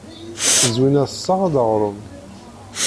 Zwina tessaɣ-d aɣrum.